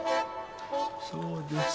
そうですか。